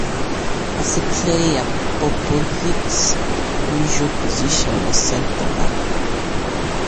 As a player Popovic's usual position was centre-back.